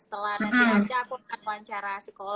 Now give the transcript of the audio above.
setelah nanti aja aku akan melancarkan